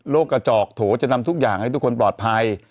กระจอกโถจะนำทุกอย่างให้ทุกคนปลอดภัย